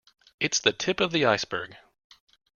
It's the tip of the iceberg.